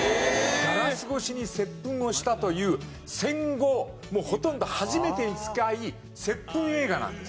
ガラス越しに接吻をしたという戦後もうほとんど初めてに近い接吻映画なんです。